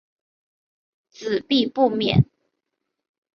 子必不免。